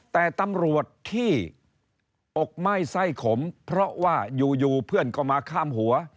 แต่ตำรวจที่อกไหม้ไส้ขมเพราะว่าอยู่เพื่อนก็มาข้ามหัว